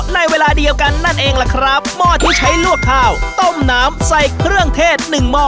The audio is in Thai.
ในเวลาเดียวกันนั่นเองล่ะครับหม้อที่ใช้ลวกข้าวต้มน้ำใส่เครื่องเทศหนึ่งหม้อ